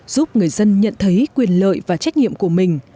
giúp người dân nhận thấy quyền lợi và trách nhiệm của mình